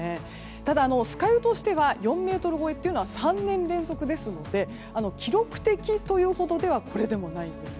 ただ、酸ヶ湯としては４ｍ超えというのは３年連続ですので記録的というほどではこれでも、ないんです。